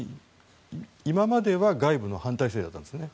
今までは外部の反体制だったんですね。